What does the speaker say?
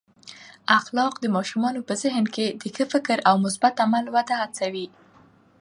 اخلاق د ماشومانو په ذهن کې د ښه فکر او مثبت عمل وده هڅوي.